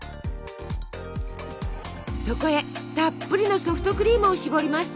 そこへたっぷりのソフトクリームをしぼります。